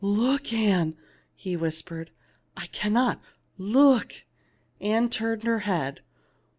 "Look, Ann !" he whispered. " I cannot. 99 << Look r Ann turned her head.